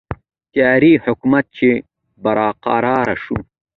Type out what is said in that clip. د تیارې حکومت چې برقراره شو.